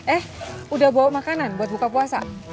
eh udah bawa makanan buat buka puasa